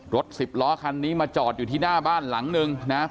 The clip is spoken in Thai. รถ๑๐ล้อคันนี้มาจอดอยู่ที่หน้าบ้านหลังหนึ่งนะครับ